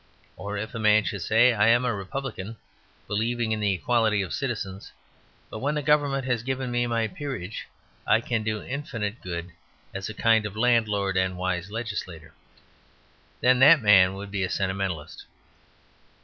Or if a man should say, "I am a Republican, believing in the equality of citizens; but when the Government has given me my peerage I can do infinite good as a kind landlord and a wise legislator"; then that man would be a Sentimentalist.